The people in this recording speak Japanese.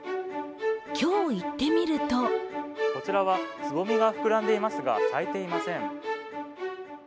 今日、行ってみるとこちらはつぼみが膨らんでいますが、咲いていません。